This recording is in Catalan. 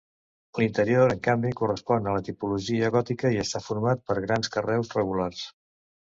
L'interior en canvi, correspon a la tipologia gòtica i està format per grans carreus regulars.